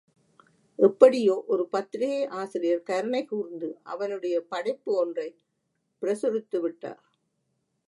எப்படியோ, ஒரு பத்திரிகை ஆசிரியர் கருணை கூர்ந்து அவனுடைய படைப்பு ஒன்றைப் பிரசுரித்து விட்டார்.